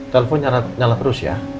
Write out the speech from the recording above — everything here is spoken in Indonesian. telepon nyala terus ya